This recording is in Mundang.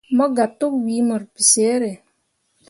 Mobga tokwii mur bicere.